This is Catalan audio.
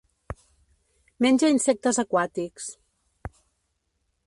Menja insectes aquàtics.